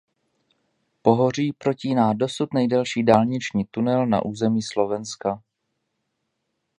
Pohoří protíná dosud nejdelší dálniční tunel na území Slovenska.